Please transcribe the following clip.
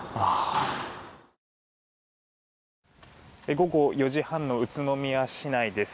午後４時半の宇都宮市内です。